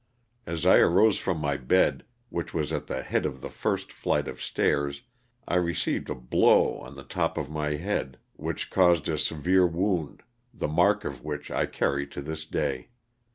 As I arose from my bed, which was at the head of the first flight of stairs, I received a blow on the top of my head which caused a severe wound, the mark of which I carry to this day.